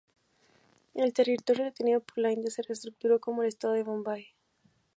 El territorio retenido por la India se reestructuró como el estado de Bombay.